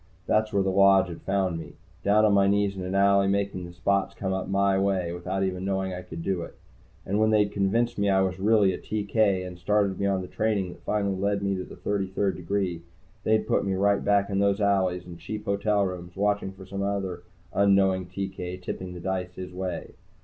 That's where the Lodge had found me, down on my knees in an alley, making the spots come up my way without even knowing I could do it. And when they'd convinced me I was really a TK, and started me on the training that finally led to the Thirty third degree, they'd put me right back in those alleys, and cheap hotel rooms, watching for some other unknowing TK tipping the dice his way.